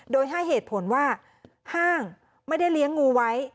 โดยให้เหตุผลว่าห้างไม่ได้เลี้ยงงูไว้